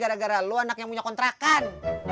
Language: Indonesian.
gara gara lu anaknya punya kontrakan